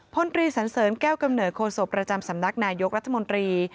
พลตรีสันเสริญแก้วกำเนิดโศกประจำสำนักนายกรัฐมนตรี